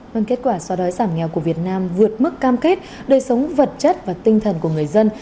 vâng kết quả so đói giảm nghèo của việt nam vượt mức cam kết đời sống vật chất và tinh thần của người dân